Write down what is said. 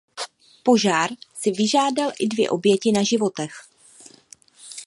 Požár si vyžádal i dvě oběti na životech.